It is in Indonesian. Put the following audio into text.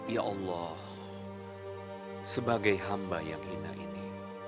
ya allah sebagai hamba yang hina ini